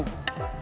saya antar aja